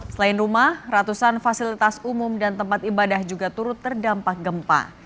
selain rumah ratusan fasilitas umum dan tempat ibadah juga turut terdampak gempa